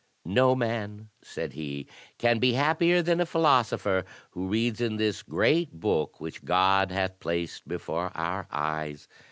"No man," said he, "can be happier than a philosopher who reads in this great book which God hath placed before our eyes.